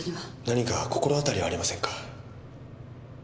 何か心当たりはありませんか？